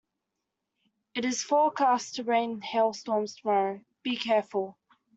It is forecast to rain hailstones tomorrow, be careful.